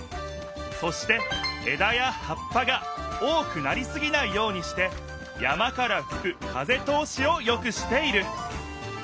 そしてえだやはっぱが多くなりすぎないようにして山からふく風通しをよくしている。